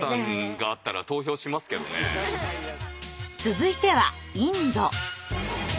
続いてはインド。